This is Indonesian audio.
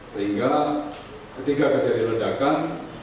sehingga ketika terjadi ledakan